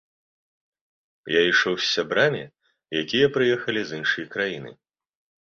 Я ішоў з сябрамі, якія прыехалі з іншай краіны.